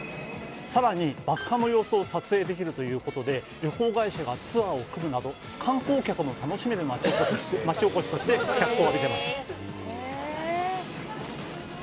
さらに爆破の様子を撮影できるということで、旅行会社がツアーを組むなど、観光客も楽しめる町おこしとして、脚光を浴びています。